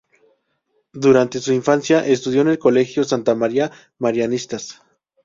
Durante su infancia estudió en el Colegio Santa María Marianistas.